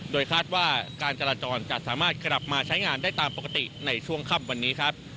โดยคาดว่าการจราจรจะสามารถกลับมาใช้งานได้ตามปกติในช่วงค่ำวันนี้ครับ